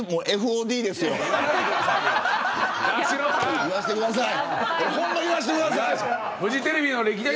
ほんま、言わせてください。